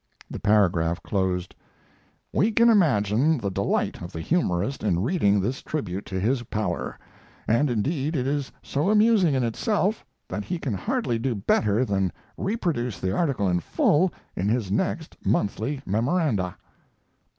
The paragraph closed: We can imagine the delight of the humorist in reading this tribute to his power; and indeed it is so amusing in itself that he can hardly do better than reproduce the article in full in his next monthly "Memoranda."